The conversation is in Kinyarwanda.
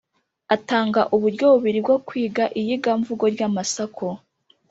atanga uburyo bubiri bwo kwiga iyigamvugo ry’amasaku.